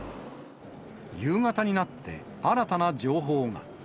夕方になって、新たな情報が。